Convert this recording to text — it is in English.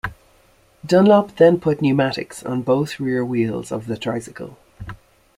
Dunlop then put pneumatics on both rear wheels of the tricycle.